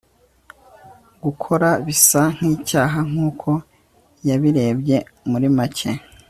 gukora bisa nkicyaha nkuko yabirebye muri make